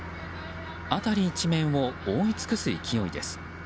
辺り一面を覆い尽くす勢いです。